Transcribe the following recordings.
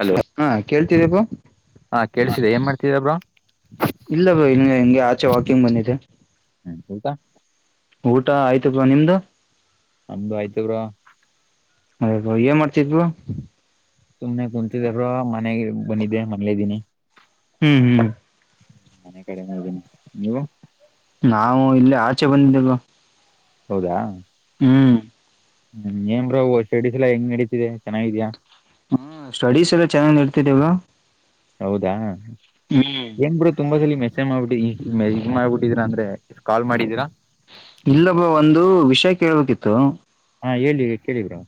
Hello ಹಾ ಕೇಳ್ತೀರಿಪ್ಪ ಹಾ ಕಳ್ಸಿದೆ ಏನ್ ಮಾಡ್ತಾ ಇದಿಯಾ ಬ್ರೋ ಇಲ್ಲ ಬ್ರೋ ಇಂಗೆ ಹೆಂಗೆ ಆಚೆ ವಾಕಿಂಗ್ ಬಂದಿದೆ ಹ್ಮ್ ಊಟ ಊಟ ಆಯ್ತು ಬ್ರೋ ನಿಮ್ದು ನಮ್ದು ಆಯ್ತ ಬ್ರೋ ಹೌದ ಏನ್ ಮಾಡ್ತಿದ್ವು ಬ್ರೋ ಸುಮ್ನೆ ಕುಂತಿದ್ದೆ ಬ್ರೋ ಮನೆಗೆ ಬಂದಿದ್ದೆ ಮನೇಲಿ ಇದೀನಿ ಹ್ಮ್ ಹ್ಮ್ ಮನೆ ಕಡೆನೇ ಇದೀನಿ ನೀವು ನಾವು ಇಲ್ಲೇ ಆಚೆ ಬಂದಿದ್ದೇ ಬ್ರೋ ಹೌದಾ ಹ್ಮ್ ಹ್ಮ ಏನ್ ಸೆಡ ಸಲಾ ಹೆಂಗ್ ನಡೀತಿದೆ ಚೆನ್ನಾಗಿದ್ಯಾ ಹ್ಮ ಸ್ಟಡೀಸ್ ಎಲ್ಲ ಚೆನ್ನಾಗಿ ನೆಡಿತಾ ಇದಾವ ಹೌದಾ ಹ್ಮ್ ಏನ್ ಬಿಡು ತುಂಬಾ ಸಲ ಮೆಸೇಜ್ ಮಾಡ್ಬಿಟ್ಟಿ ಈ ಮಾಡ್ಬಿಟ್ಟಿದ್ರಾ ಅಂದ್ರೆ ಕಾಲ್ ಮಾಡಿದೀರಾ ಇಲ್ಲಾ ಬ್ರೋ ಒಂದು ವಿಷಯ ಕೇಳ್ಬೇಕಿತ್ತು ಹಾ ಹೇಳಿ ಕೇಳಿ ಬ್ರೋ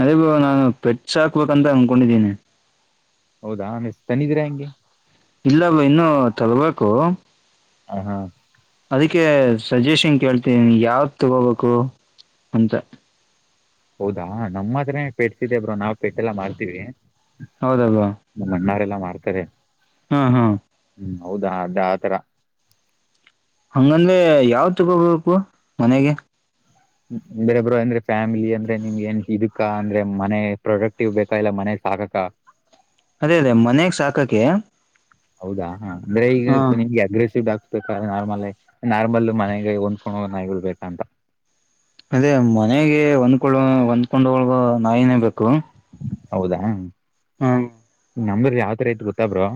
ಅದೇ ಬ್ರೋ ನಾನು ಪೆಟ್ಸ್ ಹಾಕ್ಬೇಕ ಅಂತ ಅಂದಕೊಂಡಿದ್ದೀನಿ ಹೌದಾ ನಿಸ್ ತಂದಿದ್ದೀರಾ ಹಂಗೆ ಇಲ್ಲ ಬ್ರೋ ಇನ್ನು ತಗೋಬೇಕು ಹ ಹಾ ಅದಕ್ಕೆ ಸಜೆಷನ್ ಕೇಳ್ತ ಯಾವ ತಗೋಬೇಕು ಅಂತ ಹೌದಾ ನಮ್ಮ ಹತ್ರೇ ಪೆಟ್ಸಿದ್ದೇ ಬ್ರೋ ನಾವ್ ಪೆಟ್ಟೆಲ್ಲಾ ಮಾರ್ತೀವಿ ಹೌದದಲ್ವ ನಮ್ಮ ಅಣ್ಣಾರೆಲ್ಲಾ ಮಾಡ್ತಾರೆ ಹ್ಮ್ ಹ್ಮ್ ಹ್ಮ್ ಹೌದಾ ಅದ್ದ ಆತರ ಹಂಗಂದ್ರೆ ಯಾವ್ ತಗೋಬೇಕು ಮನೆಗೆ ಬೇರಬ್ರು ಅಂದ್ರೆ ಫ್ಯಾಮಿಲಿ ಅಂದ್ರೆ ನಿಮ್ಗೆ ಏನ್ ಇದಕ್ಕಾ ಅಂದ್ರೆ ಮನೆ ಪ್ರೊಡಕ್ಟಿವ್ ಬೇಕ ಇಲ್ಲ ಮನೆ ಸಾಕಕ್ಕ ಅದೇ ಅದೇ ಮನ್ಯಾಗ ಸಾಕಕೆ ಹೌದಾ ಹಾ ಅಂದ್ರೆ ಈಗ ನಿಮ್ಗೆ ಅಗ್ರೆಸಿವ್ ಆಕ್ಸ್ಬೇಕ ನಾರ್ಮಲ್ ನಾರ್ಮಲ್ ಮನೆಗೆ ಒಂದ್ಕೊಂಡ ಹ ನಾಯಿಗಳು ಬೇಕಂತ ಅದೇ ಮನೆಗೆ ಒಂದ್ಕೊಳ್ಳ ಒಂದ್ಕೊಂಡ ಒಳಗ ನಾಯಿನೆ ಬೇಕು ಹೌದಾ ಹ್ಮ್ ನಮ್ದರ್ ಯಾವತರ ರೇಟು ಗೊತ್ತ ಬ್ರೋ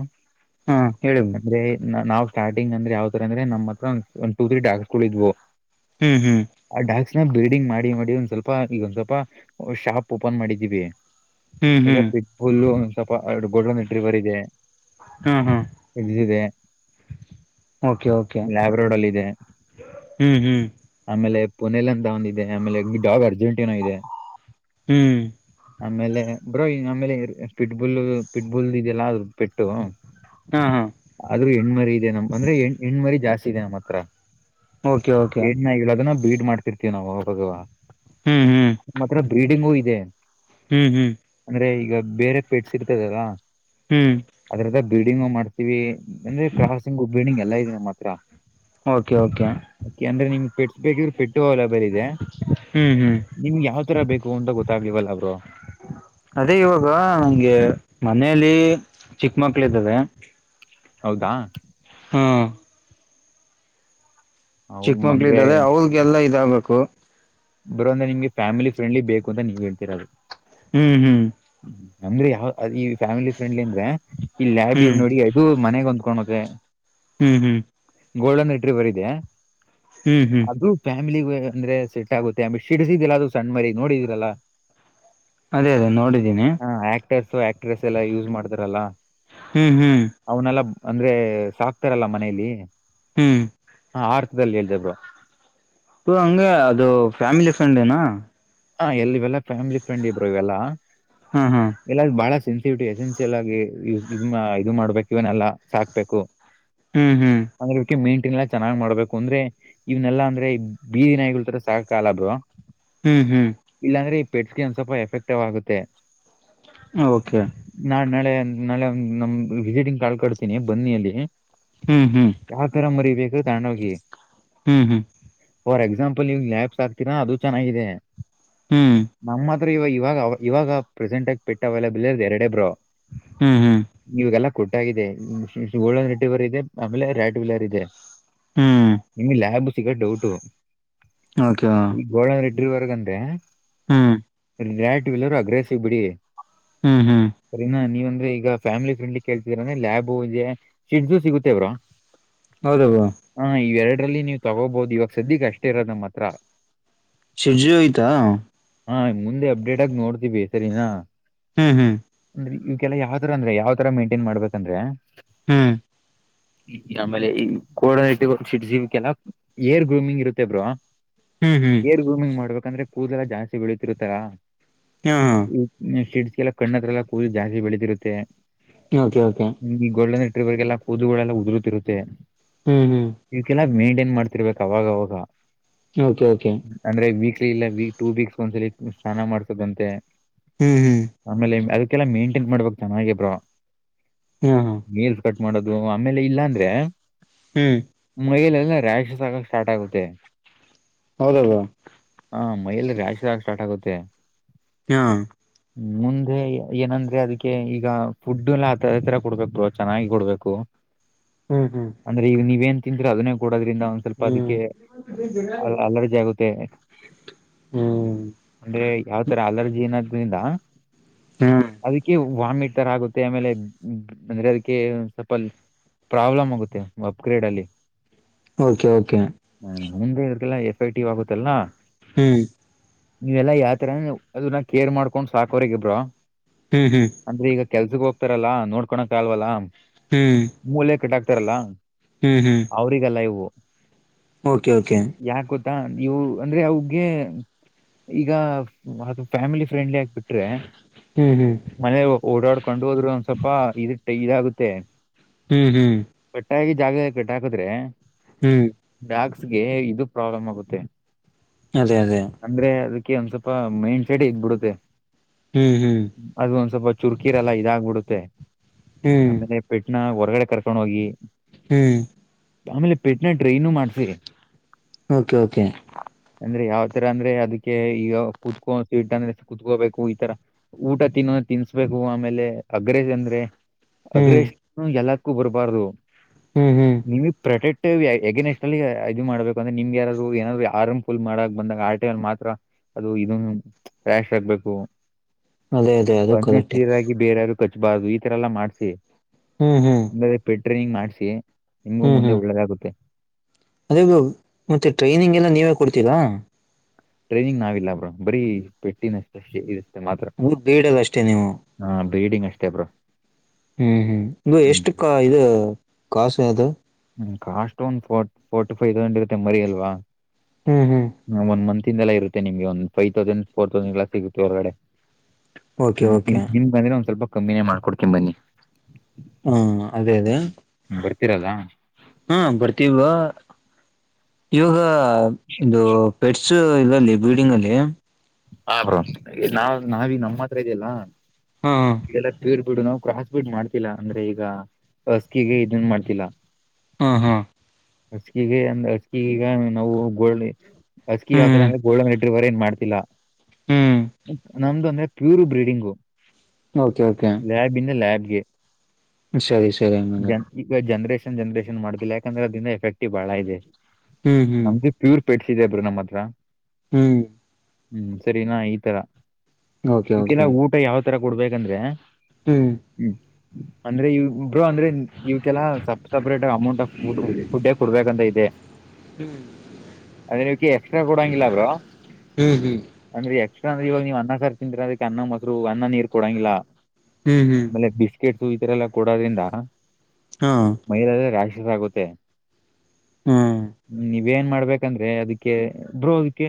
ಹ್ಮ್ ಹೇಳಿ ಅಂದ್ರೆ ನಾವ್ ಸ್ಟಾರ್ಟಿಂಗ್ ಅಂದ್ರ ಯಾವ ತರ ಅಂದ್ರೆ ನಮ್ಮ ಹತ್ರ ಟು ತ್ರಿ ಡಾಸ್ಗಳ ಇದ್ವು ಹ್ಮ್ ಹ್ಮ್ ಆ ಡಾಕ್ಸ್ ನ ಬ್ಲೀಡಿಂಗ್ ಮಾಡಿ ಮಾಡಿ ಒಂದ್ ಸ್ವಲ್ಪ ಈಗ ಒಂದ್ ಸ್ವಲ್ಪ ಶಾಪ್ ಓಪನ್ ಮಾಡಿದೀವಿ ಹ್ಮ್ ಈಗ ಹ್ಮ್ ಹುಲ್ಲು ಒ ಸ್ವಲ್ಪ ಗೊಡ್ ನೆಡ್ರರಿವರ್ ಇದೆ ಹಾ ಹಾ ಇದದೆ ಓಕೆ ಓಕೆ ಲ್ಯಾಬ್ರೋಡ್ ಅಲ್ಲಿ ಇದೆ ಹ್ಮ್ ಹ್ಮ್ ಆಮೇಲೆ ಪುಣೆಲಿ ಅಂತ ಒಂದ ಇದೆ ಆಮೇಲೆಡಾಗ್ ಅರ್ಜೆಂಟೀಿನ ಇದೆ ಹ್ಮ್ ಆಮೇಲೆ ಬ್ರೋ ಈ ನಮೇಲೆ ಪಿಟ್ಬುಲ್ ಪಿಟ್ಬುಲ್ ಇದೆಲ್ಲಾ ಅ ಪೆಟ್ಟು ಹಾ ಹಾ ಆದ್ರೂ ಹೆಣ್ಮರಿ ಇದೆ ನಮ್ ಅಂದ್ರೆ ಹೆ ಹೆಣ್ಮರಿ ಜಾಸ್ತಿ ಇದೆ ನಮ್ಮ್ ಹತ್ರ ಓಕೆ ಓಕೆ ಹೆಣನಾಯಿಗಳನ್ನು ಬೀಡ್ ಮಾಡ್ತಿರ್ತೀವಿ ಅವಾಗ ಅವಾಗ ಹ್ಮ್ ಹ್ಮ್ ನಿಮ್ಮ ಹತ್ರ ಬ್ರೀಡಿಂಗು ಇದೆ ಹ್ಮ್ ಹ್ಮ್ ಅಂದ್ರೆ ಈಗ ಬೇರೆ ಪೆಟ್ಸ್ ಇರ್ತದಲ್ಲ ಹ್ಮ್ ಅದ್ರದ ಬೀಡಿಂಗ ಮಾಡ್ತೀವಿ ಅಂದ್ರೆ ಕ್ರಾಸಿಂಗ್ ಬೀಡಿಂಗ್ ಎಲ್ಲಾ ಇದೆ ನಮ್ಮ ಹತ್ರ ಓಕೆ ಓಕೆ ಓಕೆಂದ್ರೆಮ್ [unintelligible] ಟ್ಸ್ಬೇಕ ಪೆಟ್ಟು ಹಲ ಬೇರೆ ಇದೆ ಹ್ಮ್ ಹ್ಮ್ ನಿಮ್ಗೆ ಯಾವ ತರ ಬೇಕು ಅಂತ ಗೊತ್ತಾಗ್ಲಿವಲ್ಲ ಬ್ರೋ ಅದೇ ಇವಾಗ ನಂಗೆ ಮನೇಲಿ ಚಿಕ್ಕ ಮಕ್ಳ ಇದ್ದಾವೆ ಹೌದಾ ಹಾ ಚಿಕ್ಕಮಕ್ಳೂ ಅಂದ್ರೆ ಇದ್ದ ಅವ್ರಿಗೆಲ್ಲ ಇದಾಗಬೇಕು ಬ್ರೋ ನಿಮಗೆ ಫ್ಯಾಮಿಲಿ ಫ್ರಂಡ್ಲಿ ಬೇಕು ಅಂತ ಹೇಳ್ತಾ ಇರೋದು ಹ್ಮ್ ಹ್ಮ್ ಅಂದ್ರೆ ಯಾವ ಈ ಫ್ಯಾಮಿಲಿ ಫ್ರೆಂಡ್ಲಿ ಅಂದ್ರೆ ಈ ಲ್ಯಾಬ್ ಇದ ಹ್ಮ್ ನೋಡಿ ಇದು ಮನೆಗ್ ಅಂದ್ಕೊಂಡ ಹ್ರೆ ಹ್ಞ ಹ್ಮ್ ಗೋಲ್ಡನ್ಟ್ರಿ ಬರ್ ಇದೆ ಹ್ಮ್ ಹ್ಮ್ ಇದು ಫ್ಯಾಮಿಲಿ ಅಂದ್ರೆ ಸೆಟ್ ಆಗುತ್ತೆ ಆಮೇ ಸಿಡಸಿದಿಲ್ಲ ಅದು ಸಣ್ಣ ಮರಿ ನೋಡಿದ್ರಲ್ಲ ಅದೇ ಅದೇ ನೋಡಿದ್ದೀನಿ ಹಾ ಆಕ್ಟರ್ಸ್ ಆಕ್ಟ್ರೆಸ್ ಎಲ್ಲ ಯೂಸ್ ಮಾಡ್ತಾರಲ್ಲಾ ಹ್ಮ್ ಹ್ಮ್ ಅವನೆಲ್ಲ ಅಂದ್ರೆ ಸಾಕ್ತಾರಲ್ಲ ಮನೇಲಿ ಹ್ಮ್. [inaudible] ಹಾ, ಅರ್ಥದಲ್ಲಿ, ಇಧಿದು. [inaudible] ಓ, ಹಂಗೆ, ಅದು ಫ್ಯಾಮಿಲಿ ಫ್ರಂಡೇನಾ? [inaudible] ಹಾ ಎಲ್ಲಿವೆಲ್ಲ ಫ್ಯಾಮಿಲಿ ಫ್ರೆಂಡ್ ಇದ್ರು ಇವೆಲ್ಲಾ? [inaudible] ಹ, ಹ. [inaudible] ಎಲ್ಲ, ಬಹಳ, ಸೆನ್ಸಿವಿಟಿ, ಎಸೆನ್ಸಿಯಲ್, ಆಗಿ ಇ ಇದು, ಮಾಡ್ಬೇಕು, ಇವನ್, ಎಲ್ಲಾ ಸಾಕ್ಬೇಕು! [inaudible] [inaudible] [unintelligible] ಹ್ಮ್, ಹ್ಮ್. [inaudible] ಅಂದ್ರೆ, ಇವಕ್ಕೆ, ಮೇಂಟೈನ್, ಎಲ್ಲಾ, ಚೆನ್ನಾಗಿ ಮಾಡ್ಬೇಕು! ಅಂದ್ರೆ, ಇವ್ನೆಲ್ಲ, ಅಂದ್ರೆ, ಬೀದಿ ನಾಯಿಗಳ ತರ ಸಾಕಾಗಲ್ಲ, ಅದು. [inaudible] ಹ್ಮ್, ಹ್ಮ್. [inaudible] ಇಲ್ಲಾಂದ್ರೆ, ಪೆಟ್ಸ್ಗೆ, ಒಂದ್ ಸ್ವಲ್ಪ ಎಫೆಕ್ಟವ್ ಆಗುತ್ತೆ? [inaudible] ಹೂ, ಓಕೆ! [inaudible] ನಾ! ನಾಳೆ, ನಾಳೆ, ನಮ್ಧು, ವಿಸಿಟಿಂಗ್ ಕಾಲ್ ಕೊಡ್ತೀನಿ ಬನ್ನಿಯಿಲ್ಲಿ. ಹ್ಮ್ ಹ್ಮ್ [inaudible] ಯಾವತರ, ಮರಿಬೇಕು, ತಗೊಂಡ್, ಹೋಗಿ. [inaudible] ಹ್ಮ್ ಹ್ಮ್ ಫಾರ್, ಎಕ್ಸಾಂಪಲ್, ನೀವು, ಯಾಪ್ಸ್ ಹಾಕ್ತೀರಾ ಅದು ಚೆನ್ನಾಗಿದೆ. [inaudible] ಹ್ಮ್. [inaudible] ನಮ್, ಹತ್ರ ಇವಾಗ ಇವಾಗ ಇವಾಗ ಪ್ರೆಸೆಂಟ್ ಆಗಿ ಪೆಟ್ಟು, ಅವೈಲಬಲ್, ಇರೋದು, ಎರಡೇ ಬ್ರೋ. [inaudible] ಹ್ಮ್, ಹ್ಮ್. [inaudible] ಇವಾಗಲ್ಲ, ಕೊಟ್ಟಾಗಿದೆ, ಜೊಳ್ಳ, ನೆಟವರ್ ಇದೆ ಆಮೇಲೆ, ರ್ಯಾಡ್, ವೀಲರ್, ಇದೆ. [inaudible] ಹ್ಮ್ ನಿಮಗೆ, ಲ್ಯಾಬ್, ಸಿಗೋದು, ಡೌಟು. [inaudible] ಓಕೆ, ವಾ. [inaudible] ಗೋಡನ್, ರೆಡ್ರಿವರೆಗಂತೆೆ? [inaudible] ಹ್ಮ್ಮ್. [inaudible] ರೇಟಿವ್ಹೆಲ್ಲರ್, ಅಗ್ರೆಸ್ವು, ಬಿಡಿ. [inaudible] ಹ್ಮ್, ಹ್ಮ್. [inaudible] ಸರಿನಾ, ನೀವ್ಂದ್ರೆ ಈಗ ಫ್ಯಾಮಿಲಿ ಫ್ರೆಂಡ್ಲಿ ಕೇಳ್ತಿದರ್ರೆ ಲಬು, ಹೇ? [inaudible] ಚಿಕ್ಕದು ಸಿಗುತ್ತೆ ಬ್ರೋ? [inaudible] ಹೌದ, ಬ್ರೋ? [inaudible] ಹಾ, ಇ, ಎರಡರಲ್ಲಿ, ನೀವು, ತಗೋಬಹದು ಇವಾಗ, ಸದ್ಯಕ್, ಅಷ್ಟೇ, ಇರೋದ, ನಮ್ಮತ್ರ. [inaudible] ಚಜ್ಜು, ಉಯಿತ. [inaudible] ಹಾ, ಮುಂದೆ ಅಪ್ಡೇಟ್, ಆಗಿ ನೋಡ್ತೀವಿ ಸರಿನಾ? [inaudible] ಹ್ಮ್, ಹ್ಮ್. [inaudible] ಯೂಕಲ್ಲ ಯಾವುದೆಂದರೆ, ಅಂದ್ರೆ ಯಾವ್ ತರ ಮೇಂಟೈನ್ ಮಾಡ್ಬೇಕಂದ್ರೆ? [inaudible] ಹ್ಮ್. [inaudible] [unintelligible] [inaudible] ಈ, ಆಮೇಲೆ ಈ ಕೋಡಟ್ಟ, ಸಿವಕ್ಕೆಲ್ಲಾ, ಏರ್ ಗ್ರೂಮಿಂಗ್, ಇರುತ್ತೆ, ಬ್ರೋ? [inaudible] ಹ್ಮ್, ಹ್ಮ್. [inaudible] ಸರಿ, ಗೂಮಿಂಗ್ ಮಾಡ್ಬೇಕಂದ್ರೆ! ಕೂದೆಲ್ಲಾ ಜಾಸ್ತಿ, ಬೆಳಿತಿರುತ್ತಲ್ಲ? [inaudible] ಹಾ, ಹಾ. [inaudible] ಶಿಡ್ಸ್, ಎಲ್ಲ ಕಣ್ಣತ್ರಲ್ಲ, ಕೂದಲು, ಜಾಸ್ತಿ ಬೆಳೆತಿರುತ್ತೆ? [inaudible] Okay, okay. [inaudible] ಗೊಲ್ಲೆನಟ್ಟುವಾಗ, ಕೂದಲೆಲ್ಲ ಜಾಸ್ತಿ ಬಿಳಿದಿರುತ್ತೆ? [inaudible] ಹ್ಮ್, ಹ್ಮ್. [inaudible] ಇವಕ್ಕೆಲ್ಲ, ಮೈಂಟೈನ್, ಮಾಡ್ತಿರ್ಬೇಕು, ಅವಾಗ ಅವಾಗ. [inaudible] Okay, okay. [inaudible] ಅಂದ್ರೆ ವೀಕ್ಲಿ ಇಲ್ಲ ವೀಕ್ ಟೂ ವೀಕ್ಸ್ ಒಂದ್ಸಲ ಸ್ನಾನ ಮಾಡ್ಸದಂತೆ ಹ್ಮ್ ಹ್ಮ್ ಆಮೇಲೆ ಅದಕ್ಕೆಲ್ಲ ಮೇಂಟೈನ್ ಮಾಡ್ಬೇಕ್ ಚೆನ್ನಾಗಿ ಬ್ರೋ ಹೂ ನೆಲ್ ಕಟ್ ಮಾಡೋದು ಆಮೇಲೆ ಇಲ್ಲ ಅಂದ್ರೆ ಹ್ಮ್ ಮೈಲೆ ಎಲ್ಲ ರ್ಯಾಶ್ಸ್ ಆಗಕ ಸ್ಟಾರ್ಟ್ ಆಗುತ್ತೆ ಹೌದಾ ಬ್ರೋ ಹಾ ಮೈಯೆಲ್ಲಾ ರಾರ್ಯಾಶ್ಸ ಸ್ಟಾರ್ಟ್ ಆಗುತ್ತೆ ಹ ಮುಂದೆ ಏನಂದ್ರೆ ಅದಕ್ಕೆ ಈಗ ಫುಡ್ ಎಲ್ಲೇ ತರ ಕೊಡ್ಬೇಕು ಚೆನ್ನಾಗಿ ಕೊಡ್ಬೇಕು [unintelligible] ಅಂದ್ರೆ ಈಗ ನೀವೇನ್ ತಿಂದ್ರೆ ಅದನ್ನೇ ಕೊಡೋದ್ರಿಂದ ಒಂದ್ ಸ್ವಲ್ಪ ಹ್ಮ್ ಅದಕ್ಕೆ ಅ ಅಲರ್ಜಿ ಆಗುತ್ತೆ ಹ್ಮ ಅಂದ್ರೆ ಯಾವತರ ಅಲರ್ಜಿ ಅನ್ನೋದ್ರಿಂದ ಹ್ಮ್ ಅದಕ್ಕೆ ವಾಮಿಟ್ ತರಾ ಆಗುತ್ತೆ ಆಮೇಲೆ ಅಂದ್ರೆ ಅದಕ್ಕೆ ಸ್ವಲ್ಪ ಪ್ರಾಬ್ಲಮ್ ಆಗುತ್ತೆ ಅಪ್ಗ್ರೇಡ್ ಅಲ್ಲಿ ಓಕೆ ಓಕೆ ಹಾ ಮುಂದೆ ಇವರಗೇಲ್ಲ ಎಫ್ ಐ ಟಿ ಆಗುತ್ತಲ್ಲಾ ಹ್ಞೂ ಇವೆಲ್ಲಾ ಯಾವತರಾ ಅದನ್ನ ಕೇರ್ ಮಾಡ್ಕೊಂಡ್ ಸಾಕೋರೆಗ ಬ್ರೋ ಹ್ಮ್ ಹ್ಮ್ ಅಂದ್ರೆ ಈಗ ಕೆಲ್ಸಕ್ ಹೋಗ್ತಾರಲ್ಲಾ ನೋಡ್ಕೋಳಕ್ ಆಗಲ್ವಲ್ಲಾ ಹ್ಮ್ ಮೂಲೆ ಕಟ್ಟಕ್ತಾರಲ್ಲಾ ಹ್ಮ್ ಹ್ಮ್ ಅವ್ರಿಗೆಲ್ಲಾ ಇವು ಓಕೆ ಓಕೆ ಯಾಕ ಗೊತ್ತಾ ನೀವು ಅಂದ್ರೆ ಹಾಗೆ ಈಗ ಅ ಫ್ಯಾಮಿಲಿ ಫ್ರೆಂಡ್ಲಿ ಆಗ್ಬಿಟ್ರೆ ಹ್ಮ್ ಹ್ಮ್ ಮನೆ ಓಡಾಡ್ಕೊಂಡು ಹೋದ್ರು ಒಂದ್ ಸ್ವಲ್ಪ ಇದ ಇದಾಗುತ್ತೆ ಹ್ಮ್ ಹ್ಮ್ ಕಟ್ಟಾಗಿ ಜಾಗದಲ್ಲಿ ಕೆಟ್ಟಾ ಹಾಕಿದ್ರೆ ಹ್ಮ್ ಬ್ಯಾಂಗ್ಸ್ ಗೆ ಇದು ಪ್ರಾಬ್ಲಮ್ ಆಗುತ್ತೆ ಅದೇ ಅದೇ ಅಂದ್ರೆ ಅದಕ್ಕೆ ಒಂದ್ ಸ್ವಲ್ಪ ಮೈಂಡ್ ಸೆಟ್ ಇದಗ್ಬಿಡುತ್ತೆ ಹ್ಮ್ ಹ್ಮ್ ಅದು ಒಂದ್ ಸ್ವಲ್ಪ ಚುರ್ಕೀರೆಲ್ಲ ಇದಾಗ್ಬಿಡುತ್ತೆ ಹ್ಮ್ ಆಮೇಲೆ ಪೆಟ್ನ ಹೊರಗಡೆ ಕರ್ಕೊಂಡ ಹೋಗಿ ಹ್ಮ್ ಆಮೇಲೆ ಪೆಟ್ನ ಟ್ರೈನು ಮಾಡ್ಸಿ. ಓಕೆ ಓಕೆ ಅಂದ್ರೆ ಯಾವ್ ತರ ಅಂದ್ರೆ ಅದಕ್ಕೆ ಈಗ ಕುತ್ಕೋ ಸ್ವೀಟ್ ಅಂದ್ರೆ ಕುತ್ಕೋಬೇಕು ಈತರ ಊಟ ತಿನ್ನೋದು ತಿನ್ನಿಸಬೇಕು ಆಮೇಲೆ ಅಗ್ರೇಜ್ ಅಂದ್ರೆ ಹ್ಮ್ ಅಗ್ರಸ್ ಎಲ್ಲಕ್ಕೂ ಬರ್ಬಾರ್ದು ಹ್ಮ್ ಹ್ಮ್ ನಿಮಗೆ ಪ್ರೊಟೆಟ್ ಎಗೇನ್ ಎಕ್ಸ್ಟ್ ಅಲ್ಲಿ ಇದು ಮಾಡ್ಬೇಕುಂದ್ರೆ ನಿಮ್ಗೆ ಯಾರಾದ್ರು ಏನಾದ್ರು ಆರಂ ಫುಲ್ ಮಾಡಕ ಬಂದಾಗ ಆರ್ ಟಿಲ್ ಮಾತ್ರ ಅದು ಇದ ಕ್ಯಾಶ್ ಆಗ್ಬೇಕು. ಅದೇ ಅದೇ ಅದು ಒನ್ನೆ ಕರೆಕ್ಟೆ ಸೀರಾಗಿ ಬೇರಾರರು ಕಚ್ಬಾರ್ದು ಈತರ ಎಲ್ಲಾ ಮಾಡ್ಸ. ಹು ಹು ಬರೆ ಪೆಟ್ರೆನಿಂಗ್ ಮಾಡ್ಸಿ ನಿಮಂಗ ಮುಂದೆ ಒಳ್ಳೇದಾಗುತ್ತೆ. ಅದೇಗೋ ಮತ್ತೆ ಟ್ರೈನಿಂಗ್ ಎಲ್ಲ ನೀವೇ ಕೊಡ್ತಿೀರಾ. ಟ್ರೈನಿಂಗ್ ನಾವಿಲ್ಲಾ ಬ್ರ ಬರೀ ಪೆಟ್ಟಿನಷ್ಟ ಇಷ್ಟೇ ಮಾತ್ರ. ಹು ಬೇಡಿವ್ ಅಷ್ಟೇ ನೀವು. ಹಾ ಬೇಡಿಗೆ ಅಷ್ಟೇ ಬ್ರೋ ಹ್ಮ್ ಹ್ಮ್ ಇದು ಹ್ಮ್ ಎಷ್ಟು ಕ ಇದ ಕಾಸ ಯಾದು. ಹ್ಮ್ ಕಾಸ್ಟ್ ಒಂದ್ ಫ ಫೋರ್ಟಿ ಫೈವ್ ಈಸಕೊಂಡ ಇರತ್ತೆ ಮರಿ ಅಲ್ವಾ? ಹ್ಮ್ ಹ್ಮ್ ಹ ಒಂದ ಮಂತ ಇಂದಯಲ್ಲ ಇರುತ್ತೆ ನಿಮಗೆ ಒಂದು ಫೈ್ ತೌಸಂಡ್ ಫೋರ ತೌಸಂಡ ಎಲ್ಲ ಸಿಗುತ್ತೆ ಹೊರಗಡೆ. ಓಕೆ ಹ್ಮ್ ಓಕೆ ನಿಮ್ಗ ನಿಮ್ಗ ಅಂದ್ರೆ ಒಂದ್ ಸ್ವಲ್ಪ ಕಮ್ಮಿನೇ ಮಾಡಿ ಕೊಡತೀನಿ ಬನ್ನಿ. ಹ್ಮ ಅದೇ ಅದೇ ಬರ್ತಿರಲ್ಲ. ಹಾ ಬರ್ತೀವ ಈವಾಗ ಅದ ಬೆಟ್ಸ್ ಇಲ್ಲಿ ಬಿಲ್ಡಿಂಗ್ ಅಲ್ಲಿ. ಹ ಬ್ರ ನಾವ ನಾವಿ ನಮ್ಮ ಹತ್ರ ಇದಲ್ಲ ಹಾ ಹಾ ಇದೆಲ್ಲ ಕೀರ್ ಬಿಡು ನಾವು ಕ್ರಾಸ್ ಬಿಡ್ ಮಾಡ್ತಿಲ್ಲಾ ಅಂದ್ರೆ ಈಗ ಅಸ್ಕಿಗೆ ಇದನ್ ಮಾಡ್ತಿಲ್ಲ. ಹಾ ಹಾ ಹಸಕಿಗೆ ಅಂದ್ ಹಸಿಗೆಗ ಈಗ ನಾವು ಗೋಿಣಿ ಅಸ್ಕಿ ಯಾವತರ ಹ್ಮ್ ಅಂದ್ರೆ ಗೋಲ್ಡ್ವರ ಏನ್ ಮಾಡ್ತಿಲ್ಲ. ಹ್ಮ್ ನಮ್ದು ಅಂದ್ರೆ pure breeding. Okay okay. Lab ಇಂದ ಲ್ಯಾಬ್ಗೆ. ಸರಿ ಸರಿ [unintelligible] ಜನ್ ಈಗ ಜನ್ರೇಷನ್ ಜನ್ರೇಷನ್ ಮಾಡುದಿಲ್ಲ ಯಾಕಂದ್ರೆ ಅದಿಂದ ಎಫೆಕ್ಟವ ಬಾಳ ಇದೆ ಹ್ಮ್ ಹ್ಮ್ ನಮ್ದಿ ಪ್ಯೂರ್ ಪೆಟ್ಸ್ ಇದೆ ಬ್ರರು ನಮ್ಮ ಹತ್ರ. ಹ್ಮ್ ಹ್ಮ್ ಸರಿನಾ ಈ ತರ ಓಕೆ ನಿವ್ಕಲ್ಲ ಓಕೆ ಊಟ ಯಾವ ತರ ಕೊಡ್ಬೇಕಂದ್ರೆ.? ಹ್ಮ್ ಹ್ಮ್ ಅಂದ್ರೆ ಇ ಬ್ರೊ ಅಂದ್ರೆ ಇವಕೆಲ್ಲ ಸಪ್ ಸಪ್ರೇಟ್ ಅಮೌಂಟ್ ಆಫ್ ಫುಡ್ ಕೊಡ್ಬೇಕಂತ ಇದೆ. [unintelligible] ಹ್ಮ್ ಅದೇ ಇವ್ರಿಗೆ ಎಕ್ಸ್ಟ್ರಾ ಕೊಡೋಂಗಿಲ್ಲ ಬ್ರೊ. ಹ್ಮ್ ಹ್ಮ್ ಅಂದ್ರೆ ಎಕ್ಸ್ಟ್ತ್ರ್ ಅಂದ್ರೆ ಇವಗ ಅನ್ನ ಸಾರಿ ತಿಿಂದಿರ ಅದಕ್ಕೆ ಅನ್ನ ಮೊಸರು ಅನ್ನ ನೀರು ಕೊಡಂಗಿಲ್ಲ. ಹ್ಮ್ ಹ್ಮ್ ಆಮೇಲೆ ಬಿಸ್ಕೆಟು ಈತರ ಎಲ್ಲ ಕೊಡೋದ್ರಿಂದ ಹಾ ಮೈಲಲ್ಲ ರಾಶಸ್ ಆಗುತ್ತೆ ಹ್ಮ್ [unintelligible] ನಿಮ್ಮ ಏನ್ ಮಾಡ್ಬೇಕಂದ್ರೆ ಅದಕ್ಕೆ ಬ್ರೊ ಇದಕ್ಕೆ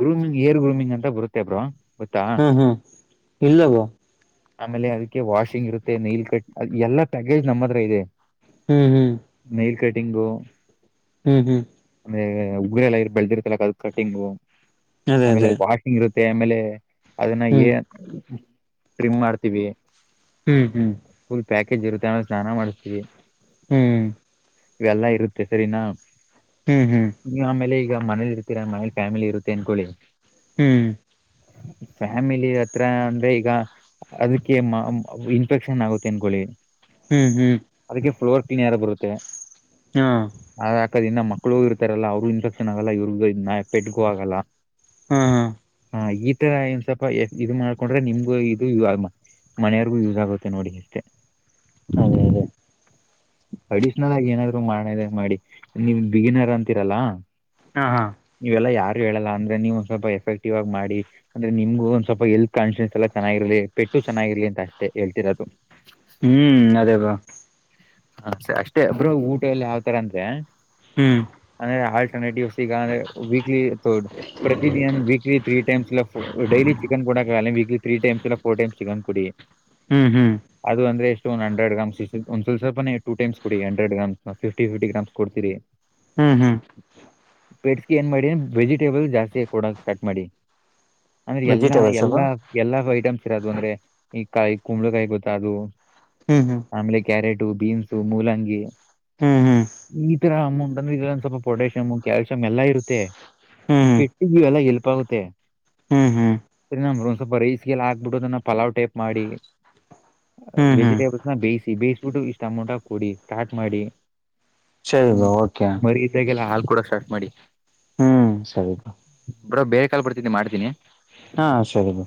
ಗ್ರೂಮಿಂಗ್ ಏರ ಗ್ರೂಮಿಂಗ್ ಅಂತ ಬರುತ್ತೆ ಬ್ರೋ ಗೊತ್ತಾ ಹ್ಮ್ ಹ್ಮ್ ಇಲ್ಲವೋ. ಆಮೇಲೆ ಅದಕ್ಕೆ ವಾಷಿಂಗ್ ಇರುತ್ತೆ ನೀಲ್ ಕಟ್ ಎಲ್ಲಾ ಪ್ಯಾಕೇಜ್ ನಮ್ಮ ಹತ್ರ ಇದೆ ಹ್ಮ್ ಹ್ಮ್ ನೀಲ್ ಕಟಿಂಗ್ ಹ್ಮ್ ಹ್ಮ್ ಅಂದ್ರೆ ಉಗ್ರ ಎಲ್ಲ ಬೆಳದಿರ್ತಲ ಅದ ಕಟಿಂಗು ಅದೇ ಆಮೇಲೆ ಅದೇ ವಾಷಿಂಗ್ ಇರುತ್ತೆ ಆಮೇಲೆ ಅದನ್ನ ಹ್ಮ್ ಏನ್ ಟ್ರಿಮ್ ಮಾಡ್ತೀವಿ ಹ್ಮ್ ಹ್ಮ್ ಫುಲ್ ಪ್ಯಾಕೇಜ ಇರುತ್ತೆ ಅ ಸ್ನಾನ ಮಾಡ್ತೀವಿ ಹ್ಮ್ ಇವೆಲ್ಲಾ ಇರುತ್ತೆ ಸರಿನಾ ಹ್ಮ್ ಹ್ಮ್ ನೀ ಆಮೇಲೆ ಈಗ ಮನೇಲಿ ಇರ್ತೀರಾ ಮನೇಲಿ ಫ್ಯಾಮಿಲಿ ಇರುತ್ತೆ ಅನ್ಕೊಳ್ಳಿ ಹ್ಮ್ ಫ್ಯಾಮಿಲಿ ಹತ್ರ ಅಂದ್ರೆ ಈಗ ಅದಕ್ಕೆ ಇನ್ಫೆಕ್ಷನ್ ಆಗುತ್ತೆ ಅನ್ಕೊಳ್ಳಿ ಹ್ಮ್ ಹ್ಮ್ ಅದಕ್ಕೆ ಫ್ಲೋರ್ ಕ್ಲೀಯರ್ ಬರುತ್ತೆ ಹಾ ಅಕದ ಇನ್ನ ಮಕ್ಳು ಇರ್ತಾರಲ್ಲ ಅವರು ಇನ್ಫೆಕ್ಷನ್ ಆಗಲ್ಲ ಇವ್ರಗ ಪೆಟ್ಗೂ ಆಗಲ್ಲ ಹಾ ಹಾ ಹ ಈ ತರ ಇಏ ಸ್ವಲ್ಪ ಇದು ಮಾಡ್ಕೊಂಡ್ರೆ ನಿಮಗು ಇದು ಇ ಮನೆಯವರ್ಗೂ ಯೂಸ್ ಆಗುತ್ತೆ ನೋಡಿ ಅಷ್ಟೇ ಹಾಗೆ ಹಾಗೆ ಅಡಿಷನಲ್ ಆಗಿ ಏನಾದ್ರು ಮಾಡದ ಮಾಡಿ ನೀವ್ ಬಿಗಿನರ್ ಅಂತೀರಲ್ಲ ಹಾ ಹಾ ನೀವೆಲ್ಲಾ ಯಾರು ಹೇಳಲ್ಲ ಅಂದ್ರೆ ನೀವು ಒಂದ ಸ್ವಲ್ಪ ಎಫೆಕ್ಟಿವ್ ಆಗಿ ಮಾಡಿ ಅಂದ್ರೆ ನಿಮ್ಗ ಒಂದ ಸ್ವಲ್ಪ ಎಲ್ತ್ ಕಂಡಿಷನ್ಸ್ ಎಲ್ಲ ಚೆನ್ನಾಗಿರಲಿ ಪೆಟ್ಟು ಚೆನ್ನಾಗಿರ್ಲಿ ಅಷ್ಟೇ ಹೇಳ್ತಿರ ಅದು ಹ್ಮ್ ಅದೇ ಬ್ರೋ ಹ ಸ ಅಷ್ಟೇ ಒಬ್ರು ಊಟ ಎಲ್ಲಿ ಯಾವ್ತರ ಅಂದ್ರೆ ಹ್ಮ್ ಆಟಿವ್ ಸಿ ವೀಕ್ಲಿ ಪ್ರತಿನ ದಿನಾನು ವೀಕ್ಲಿ ವ ತ್ರೀ ಡೈಲಿ ಚಿಕನ್ ಕೊಡಕ್ಕಾಗಲ್ಲ weekly three time four time chicken ಕೊಡಿ ಹ್ಮ್ ಹ್ಮ್ ಅದು ಅಂದ್ರೆ ಎಷ್ಟ ಒಂದ ಹಂಡ್ರೆಡ್ ಗ್ರಾಂ ಸ್ವಲ್ಪ ಸ್ವಲ್ಪನೆ ಟೂ ಟೈಮ್ಸ್ ಕೊಡಿ ಹಂಡ್ರೆ ಗ್ರಾಮ್ ಫಿಫ್ಟಿಫಿಫಿ ಗ್ರಾಮಸ್ ಕೊಡ್ತೀರಿ ಹ್ಮ್ ಹ್ಮ್ ಪೆಟ್ಸ್ಗೆ ಏನ್ ಮಾಡಿ ವೆಜಿಟೇಬಲ್ ಜಾಸ್ತಿ ಕೊಡಕ್ ಸ್ಟಾರ್ಟ ಮಾಡಿ ಅಂದ್ರೆ ಎಲ್ಲಾ ವೆಜಿಟೇಬಲ್ಸ್ ಅಲ್ವಾ ಎಲ್ಲಾ ಎಲ್ಲಾ ಐಟಮ್ಸ್ ಇರೋದು ಅಂದ್ರೆ ಈ ಕಾಯಿ ಕುಂಬಳಕಾಯಿ ಗೊತ್ತ ಅದು ಹ್ಮ್ ಹ್ಮ್ ಆಮೇಲೆ ಕ್ಯಾರೆಟು ಬೀನ್ಸು ಮೂಲಂಗಿ ಹ್ಮ್ ಹ್ಮ್ ಹ್ಮ್ ಈ ಮುಂದ ಒಂದು ಸ್ವಲ್ಪ ಪೊಟೇಷಿಯಮ ಕ್ಯಾಲಸಿ ಯಂ ಎಲ್ಲ ಇರುತ್ತೆ ಹ್ಮ್ ಪೆಟ್ಟಿ ಎಲ್ಲ ಏಲ್ಪಾಗುತ್ತೆ ಹ್ಮ್ ಹ್ಮ್ ಹ್ಮ್ ನ ಒಂದ ಸ್ವಲ್ಪ ರೈಸ್ಗೆ ಎಲ್ಲಾ ಹಾಕ್ಬಿಟ್ಟು ಅದನ್ನ ಪಲಾವ್ ಟೈಪ್ ಮಾಡಿ ಹ್ಮ್ ಹ್ಮ್ ಹ್ಮ್ ವೆಜಿಟೇಬಲ್. ಬೇಯಿಸಿ ಬೇಯಿಸ್ಬಿಟ್ಟು ಇಷ್ಟ ಟಮೋಟ ಕೊಡಿ ಸ್ಟಾರ್ಟ್ ಮಾಡಿ ಸರಿ ಹ್ಮ ಬಾ ಓಕೆ ಮ. ಬೇಗೆಲ್ಲ ಹಾಲ್ ಕೊಡಕ್ ಸ್ಟ್ ಮಾಡಿ. ಹ್ಮ್ ಸರಿ ಬ್ರೊ ಬೇಕ್ [unintelligible] ಮಾಡ್ತೀನಿ. ಹಾ ಸರಿ ಬ್ರೊ.